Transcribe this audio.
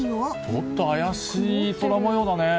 おっと、怪しい空模様だね。